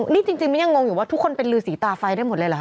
นี่จริงมิ้นยังงงอยู่ว่าทุกคนเป็นลือสีตาไฟได้หมดเลยเหรอค